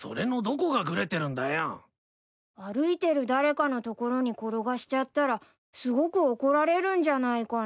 歩いてる誰かのところに転がしちゃったらすごく怒られるんじゃないかな。